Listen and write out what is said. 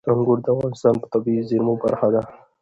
انګور د افغانستان د طبیعي زیرمو برخه ده.